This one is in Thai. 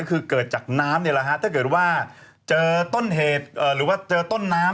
ก็คือเกิดจากน้ำเนี่ยแหละฮะ